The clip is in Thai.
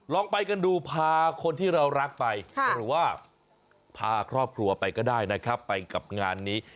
ลองไปกันดูพาคนที่เรารักไปหรือว่าพาครอบครัวไปก็ได้นะครับไปกับงานนี้